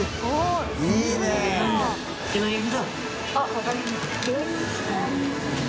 分かりました。